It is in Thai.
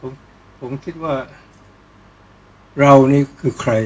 ก็ต้องทำอย่างที่บอกว่าช่องคุณวิชากำลังทำอยู่นั่นนะครับ